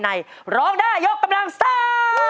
ในร้องหน้ายกกำลังสตาร์